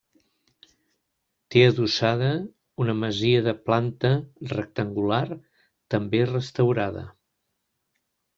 Té adossada una masia de planta rectangular, també restaurada.